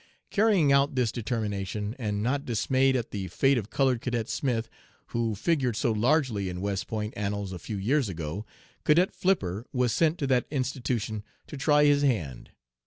Carrying out this determination, and not dismayed at the fate of colored cadet Smith, who figured so largely in West Point annals a few years ago, cadet Flipper was sent to that institution to try his hand.